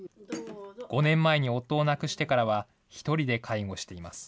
５年前に夫を亡くしてからは、１人で介護しています。